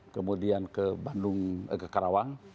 kemudian ke bandung ke karawang